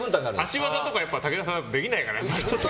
足技とか、武田さんできないから。